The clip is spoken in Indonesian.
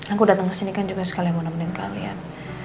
aku datang kesini kan juga sekali mau nemenin kalian